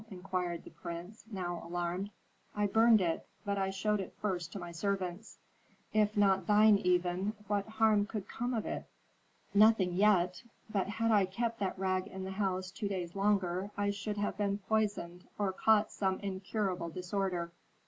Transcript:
inquired the prince, now alarmed. "I burned it, but I showed it first to my servants." "If not thine even, what harm could come of it?" "Nothing yet. But had I kept that rag in the house two days longer, I should have been poisoned, or caught some incurable disorder.